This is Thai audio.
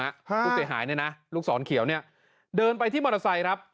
ผู้เสียหายเนี่ยนะลูกศรเขียวเนี่ยเดินไปที่มอเตอร์ไซค์ครับ